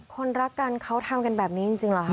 คนรักกันเขาทำกันแบบนี้จริงเหรอคะ